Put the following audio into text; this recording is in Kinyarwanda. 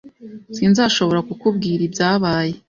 Sinzashobora kukubwira ibyabaye.